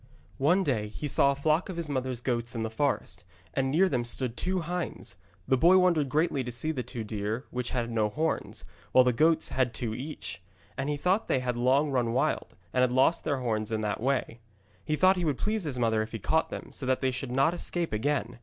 One day he saw a flock of his mother's goats in the forest, and near them stood two hinds. The boy wondered greatly to see the two deer which had no horns, while the goats had two each; and he thought they had long run wild, and had lost their horns in that way. He thought he would please his mother if he caught them, so that they should not escape again.